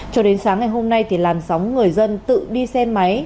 cho đến sáng ngày hôm nay thì làn sóng người dân tự đi xe máy